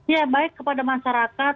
ya baik kepada masyarakat